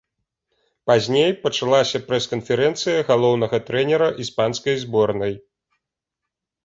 Пазней пачалася прэс-канферэнцыя галоўнага трэнера іспанскай зборнай.